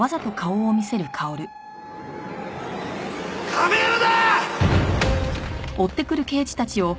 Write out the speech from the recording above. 亀山だ！